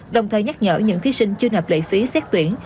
đồng thời nhắc nhở những thí sinh chưa nập lệ phí xác tuyển